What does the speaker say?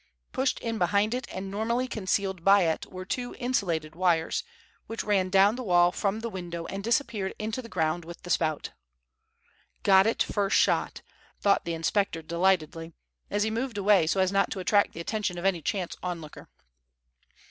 Pushed in behind it and normally concealed by it were two insulated wires, which ran down the wall from the window and disappeared into the ground with the spout. "Got it first shot," thought the inspector delightedly, as he moved away so as not to attract the attention of any chance onlooker.